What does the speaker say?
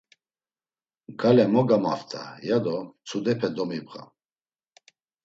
“Gale mo gamafta, ya do mtsudepe domibğam!”